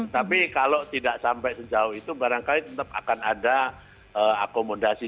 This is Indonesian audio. tapi kalau tidak sampai sejauh itu barangkali tetap akan ada akomodasi